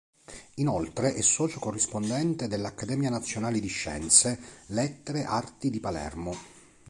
Inoltre è socio corrispondente dell’Accademia Nazionale di Scienze, lettere Arti di Palermo.